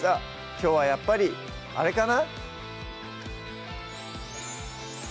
きょうはやっぱりあれかな？